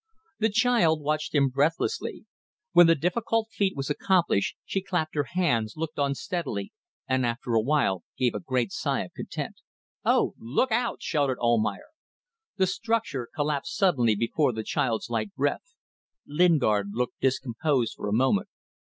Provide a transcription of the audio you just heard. The child watched him breathlessly. When the difficult feat was accomplished she clapped her hands, looked on steadily, and after a while gave a great sigh of content. "Oh! Look out!" shouted Almayer. The structure collapsed suddenly before the child's light breath. Lingard looked discomposed for a moment.